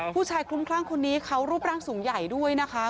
ผู้ชายคลุมคร่างคนนี้เขารูปร่างสูงใหญ่ด้วยนะคะ